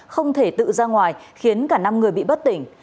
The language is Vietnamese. không thể tự ra ngoài khiến cả năm người bị bất tỉnh